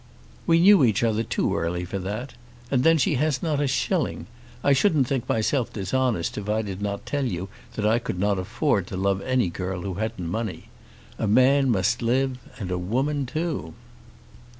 "We knew each other too early for that. And then she has not a shilling. I should think myself dishonest if I did not tell you that I could not afford to love any girl who hadn't money. A man must live, and a woman too."